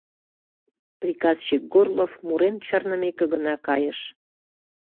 Приказчик Горлов мурен чарнымеке гына кайыш.